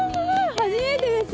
初めてです。